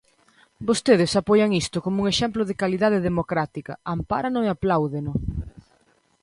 Vostedes apoian isto como un exemplo de calidade democrática, ampárano e apláudeno.